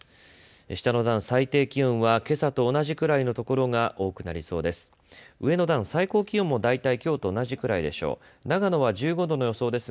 下の段、最低気温はけさと同じくらいの所が多くなりそうです。